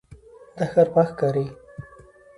دا ښار پاک ښکاري.